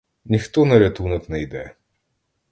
Ніхто на рятунок не йде.